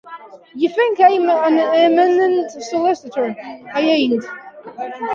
You think I'm an eminent solicitor. I ain't.